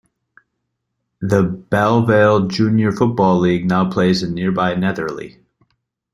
The Belle Vale Junior football league now plays in nearby Netherley.